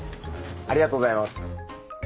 ありがとうございます。